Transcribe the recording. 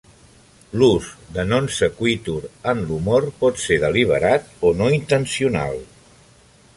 L'ús de 'non sequitur' en humor pot ser deliberat o no intencional.